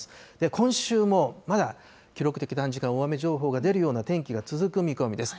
今週も、まだ記録的短時間大雨情報が出るような天気が続く見込みです。